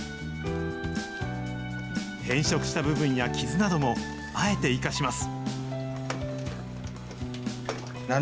変色した部分や傷なども、あえて生かします。